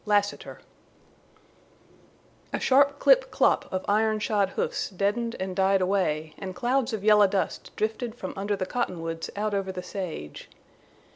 LASSITER A sharp clip clop of iron shod hoofs deadened and died away, and clouds of yellow dust drifted from under the cottonwoods out over the sage.